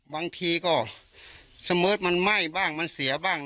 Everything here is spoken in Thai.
บางทีก็เสมอมันไหม้บ้างมันเสียบ้าง